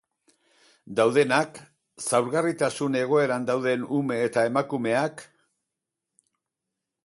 Daudenak, zaurgarritasun egoeran dauden ume eta emakumeak...